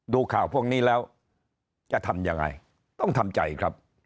ดูข่าวพวกนี้แล้วจะทำยังไงต้องทำใจครับ